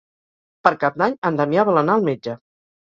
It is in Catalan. Per Cap d'Any en Damià vol anar al metge.